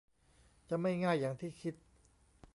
จะไม่ง่ายอย่างที่คิด